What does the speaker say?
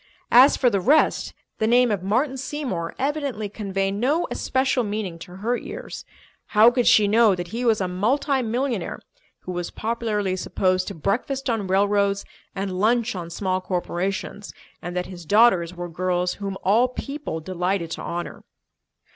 As for the rest, the name of Martin Seymour evidently conveyed no especial meaning to her ears. How could she know that he was a multi millionaire who was popularly supposed to breakfast on railroads and lunch on small corporations, and that his daughters were girls whom all people delighted to honour?